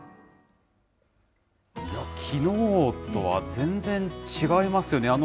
きのうとは全然違いますよね。